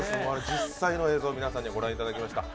実際の映像を皆さんにご覧いただきました。